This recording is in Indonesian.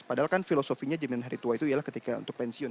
padahal kan filosofinya jaminan hari tua itu ialah ketika untuk pensiun